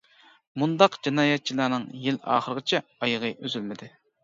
مۇنداق جىنايەتچىلەرنىڭ يىل ئاخىرىغىچە ئايىغى ئۈزۈلمىدى.